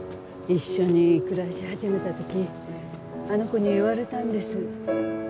一緒に暮らし始めた時あの子に言われたんです。